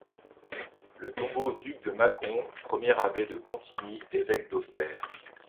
Le tombeau d'Hugues de Mâcon, premier abbé de Pontigny, évêque d'Auxerre.